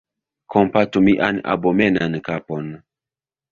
Kompatu mian abomenan kapon!